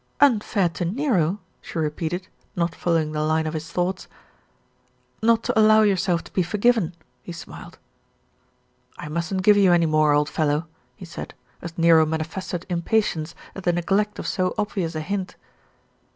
"Unfair to Nero I" she repeated, not following the line of his thoughts. "Not to allow yourself to be forgiven," he smiled. "I mustn't give you any more, old fellow," he said, as Nero manifested impatience at the neglect of so obvious a hint.